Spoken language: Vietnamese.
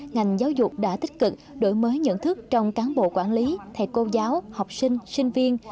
ngành giáo dục đã tích cực đổi mới nhận thức trong cán bộ quản lý thầy cô giáo học sinh sinh viên